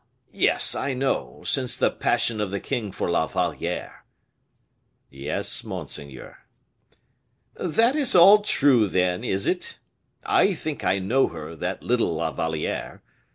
yes, I know; since the passion of the king for La Valliere." "Yes, monseigneur." "That is all true, then, is it? I think I know her, that little La Valliere.